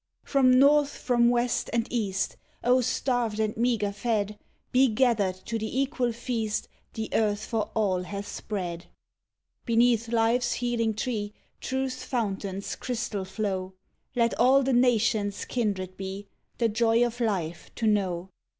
IV From North, from West, and East, O starved and meagre fed! Be gathered to the equal feast The earth for all hath spread. V Beneath Life's healing tree, Truth's fountain's crystal flow, Let all the Nations kindred be The joy of life to know.